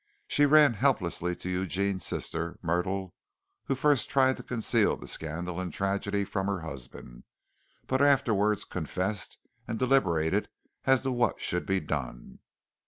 She ran helplessly to Eugene's sister, Myrtle, who first tried to conceal the scandal and tragedy from her husband, but afterward confessed and deliberated as to what should be done.